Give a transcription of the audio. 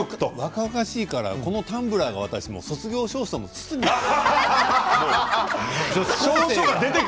若々しいからそのタンブラーが卒業証書の筒に見える。